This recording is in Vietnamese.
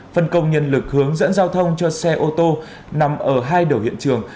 phân công nhân lực hướng dẫn giao thông cho xe ô tô nằm ở hai đầu hiện trường